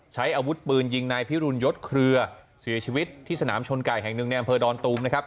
ใช้อาวุธปืนยิงนายพิรุณยศเครือเสียชีวิตที่สนามชนไก่แห่งหนึ่งในอำเภอดอนตูมนะครับ